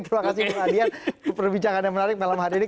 kemudian perbincangan yang menarik malam hari ini